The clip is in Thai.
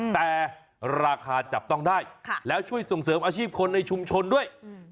แต่ราคาจับต้องได้แล้วช่วยส่งเสริมอาชีพคนในชุมชนด้วย